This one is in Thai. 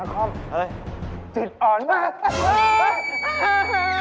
อาครองจิตอ่อนเห้ย